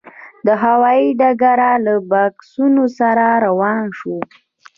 له هوايي ډګره له بکسونو سره روان شوو.